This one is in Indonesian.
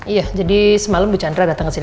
iya jadi semalam bu chandra di sini